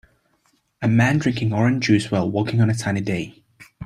A man drinking orange juice while walking on a sunny day.